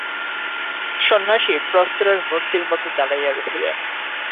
সন্ন্যাসী প্রস্তরের মূর্তির মতো দাঁড়াইয়া রহিলেন।